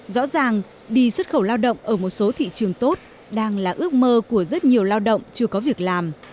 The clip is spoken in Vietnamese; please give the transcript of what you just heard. rõ ràng đi xuất khẩu lao động ở một số thị trường tốt đang là ước mơ của rất nhiều lao động chưa có việc làm